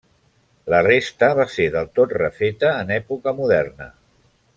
La resta va ser del tot refeta en època moderna.